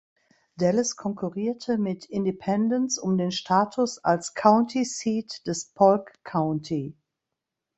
Dallas konkurrierte mit Independence um den Status als County Seat des Polk County.